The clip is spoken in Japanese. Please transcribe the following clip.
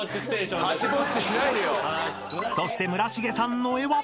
［そして村重さんの絵は］